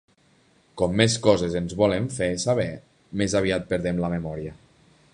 Com més coses ens volen fer saber, més aviat perdem la memòria.